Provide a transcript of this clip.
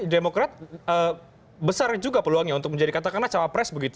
demokrat besar juga peluangnya untuk menjadi katakanlah cawapres begitu